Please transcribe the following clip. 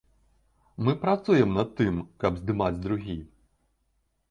Мы працуем над тым, каб здымаць другі.